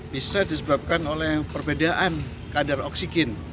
bisa disebabkan oleh perbedaan kadar oksigen